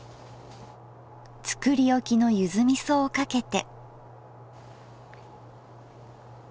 作り置きのゆずみそをかけて。